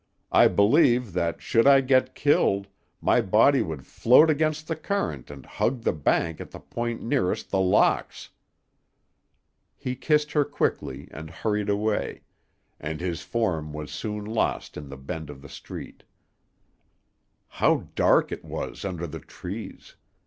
I believe that should I get killed, my body would float against the current and hug the bank at the point nearest The Locks." He kissed her quickly and hurried away, and his form was soon lost in the bend of the street. How dark it was under the trees!